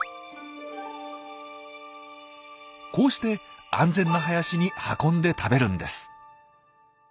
こうして安全な林に運んで食べるんです。